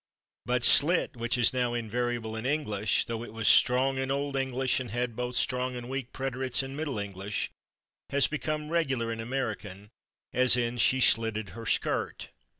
But /slit/, which is now invariable in English (though it was strong in Old English and had both strong and weak preterites in Middle English), has become regular in American, as in "she /slitted/ her skirt."